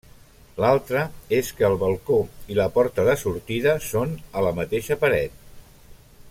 L'altre és que el balcó i la porta de sortida són a la mateixa paret.